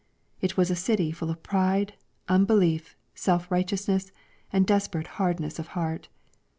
It was a city full of pride, unbelief, self righteousness, and desperate hardness of heart.